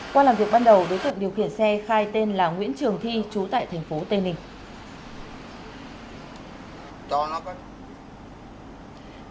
qua làm việc ban đầu đối tượng điều khiển xe khai tên là nguyễn trường thi trú tại thành phố tây ninh